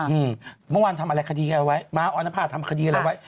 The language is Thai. อืมเมื่อวานทำอะไรคดีกันเอาไว้ม้าออนภาทำคดีอะไรไว้